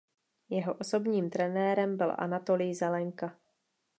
Jeho osobním trenérem byl Anatolij Zelenka.